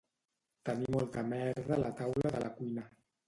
Tenir molta merda a la taula de la cuina.